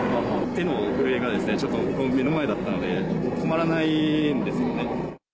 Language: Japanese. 手の震えがちょっと目の前だったんで、止まらないんですよね。